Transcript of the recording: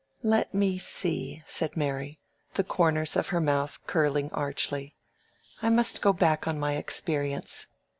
"Let me see," said Mary, the corners of her mouth curling archly; "I must go back on my experience.